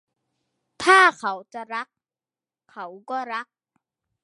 ถ้าเขาจะรัก เขาก็รัก